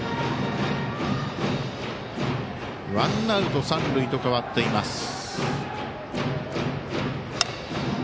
ワンアウト三塁と変わっています。